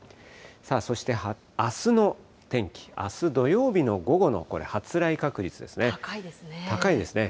そしてあすの天気、あす土曜日の午後のこれ、高いですね。